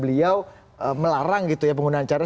kemudian melandasi beliau melarang gitu ya penggunaan cadar